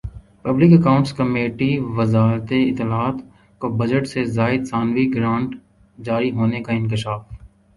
public accounts کمیٹیوزارت اطلاعات کو بجٹ سے زائد ثانوی گرانٹ جاری ہونے کا انکشاف